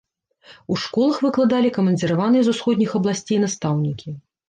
У школах выкладалі камандзіраваныя з усходніх абласцей настаўнікі.